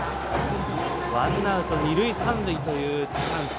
ワンアウト、二塁三塁というチャンス。